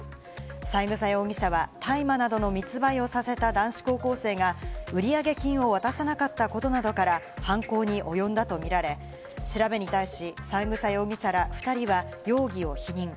三枝容疑者は大麻などの密売をさせた男子高校生が売上金を渡さなかったことなどから犯行に及んだと見られ、調べに対し三枝容疑者ら２人は容疑を否認。